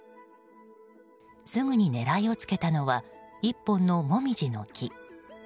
すぐに狙いをつけたのは１本のモミジの木。